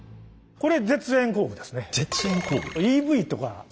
これ。